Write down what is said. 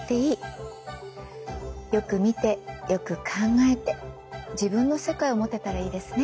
よく見てよく考えて自分の世界を持てたらいいですね。